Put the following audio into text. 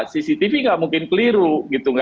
cctv nggak mungkin keliru gitu